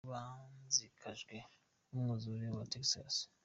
Imfashanyo ku basinzikajwe n'umwuzure i Texas.